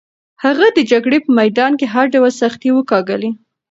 هغه د جګړې په میدان کې هر ډول سختۍ وګاللې.